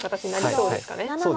そうですね。